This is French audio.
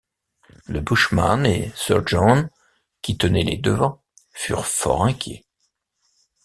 Le bushman et sir John, qui tenaient les devants, furent fort inquiets.